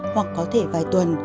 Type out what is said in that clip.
hoặc có thể vài tuần